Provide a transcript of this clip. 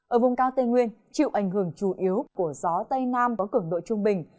ở vùng cao tây nguyên chịu ảnh hưởng chủ yếu của gió tây nam có cường độ trung bình